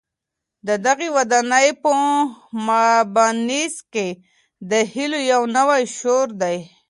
د دغي ودانۍ په مابينځ کي د هیلو یو نوی شور دی.